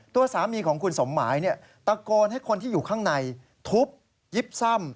ตัวสามีของคุณสมหมายตะโกนให้คนที่อยู่ข้างในทุบยิบซ่ำ